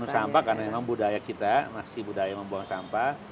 sampah karena memang budaya kita masih budaya membuang sampah